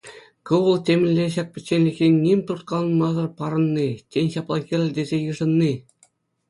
Ку вӑл темӗнле ҫак пӗчченлӗхе ним турткаланмасӑр парӑнни, тен ҫапла кирлӗ тесе йышӑнни.